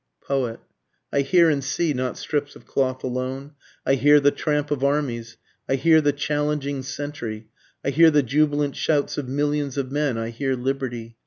Poet. I hear and see not strips of cloth alone, I hear the tramp of armies, I hear the challenging sentry, I hear the jubilant shouts of millions of men, I hear Liberty!